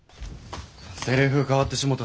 セリフ変わってしもた